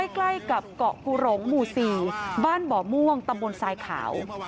ใกล้กับเกาะภูหลงหมู่๔บ้านบ่อม่วงตำบลทรายขาว